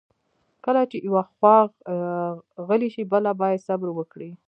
کله چې یوه خوا غلې شي، بله باید صبر وکړي.